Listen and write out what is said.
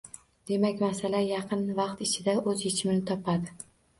Demak, masala yaqin vaqt ichida oʻz yechimini topadi...